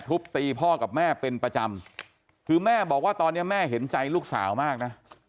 ตีพ่อกับแม่เป็นประจำคือแม่บอกว่าตอนนี้แม่เห็นใจลูกสาวมากนะ